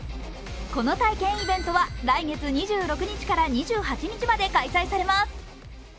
この体験イベントは来月２６日から２８日まで開催されます。